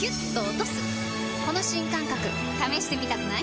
この新感覚試してみたくない？